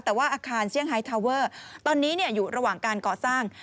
แต่ว่าอาคารเซี่ยงไฮทาเวอร์ตอนนี้อยู่ระหว่างการก่อสร้าง